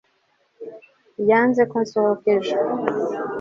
yanze ko nsohoka ejo